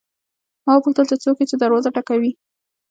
ما وپوښتل چې څوک یې چې دروازه ټکوي.